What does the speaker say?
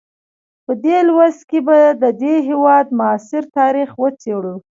په دې لوست کې به د دې هېواد معاصر تاریخ وڅېړو.